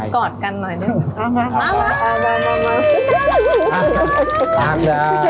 กอดกันหน่อยหนึ่ง